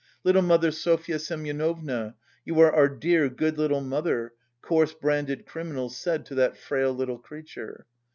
"Little mother Sofya Semyonovna, you are our dear, good little mother," coarse branded criminals said to that frail little creature.